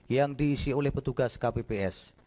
yang diisi oleh petugas kpps